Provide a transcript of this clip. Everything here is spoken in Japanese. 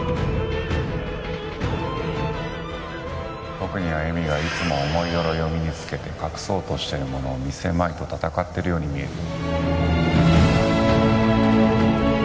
僕には詠美がいつも重い鎧を身につけて隠そうとしているものを見せまいと闘っているように見えるよ。